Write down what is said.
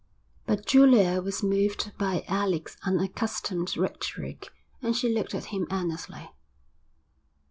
But Julia was moved by Alec's unaccustomed rhetoric, and she looked at him earnestly.